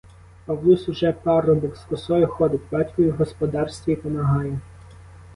Павлусь уже парубок, з косою ходить, батькові в господарстві помагає.